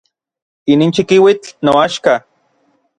Inin chikiuitl noaxka.